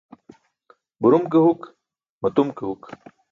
Burum ke huk, matum ke huk.